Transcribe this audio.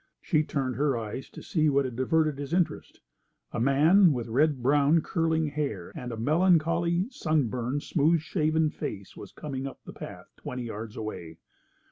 She turned her eyes to see what had diverted his interest. A man with red brown, curling hair and a melancholy, sunburned, smooth shaven face was coming up the path, twenty yards away.